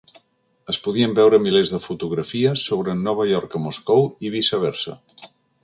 Es podien veure milers de fotografies sobre Nova York a Moscou i viceversa.